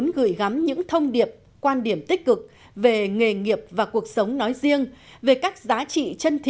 nhất là khi họ muốn gửi gắm những thông điệp quan điểm tích cực về nghề nghiệp và cuộc sống nói riêng về các giá trị chân thiện mỹ trong xã hội nói chung